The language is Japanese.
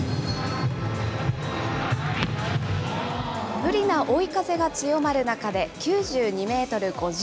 不利な追い風が強まる中で９２メートル５０。